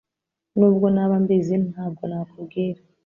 Nubwo naba mbizi ntabwo nakubwira